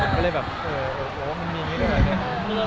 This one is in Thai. ก็เลยแบบเออมันมีอย่างนี้ด้วยหรอเนี่ย